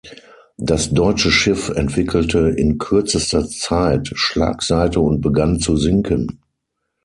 Das deutsche Schiff entwickelte in kürzester Zeit Schlagseite und begann zu sinken.